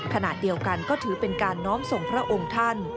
ขณะเดียวกันก็ถือเป็นการน้อมส่งพระองค์ท่าน